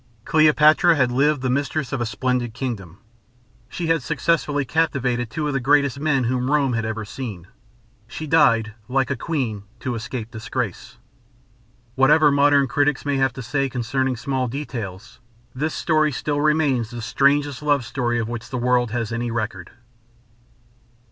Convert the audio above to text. Cleopatra had lived the mistress of a splendid kingdom. She had successively captivated two of the greatest men whom Rome had ever seen. She died, like a queen, to escape disgrace. Whatever modern critics may have to say concerning small details, this story still remains the strangest love story of which the world has any record.